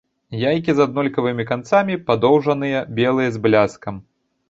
Яйкі з аднолькавымі канцамі, падоўжаныя, белыя з бляскам.